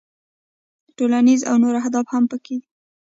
ټولنیز او نور اهداف هم پکې دي.